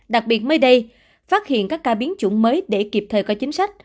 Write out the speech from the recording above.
đặc biệt mới đây phát hiện các ca biến chủng mới để kịp thời có chính sách